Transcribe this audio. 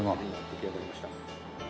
出来上がりました。